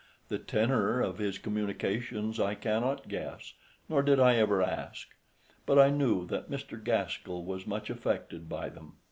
The tenor of his communications I cannot guess, nor did I ever ask; but I knew that Mr. Gaskell was much affected by them.